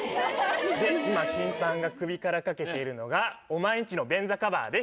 で、今審判が首からかけているのが、お前んちの便座カバーです。